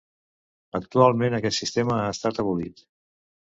Actualment aquest sistema ha estat abolit.